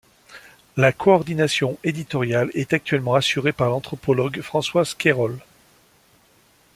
La coordination éditoriale est actuellement assurée par l'anthropologue Françoise Cayrol.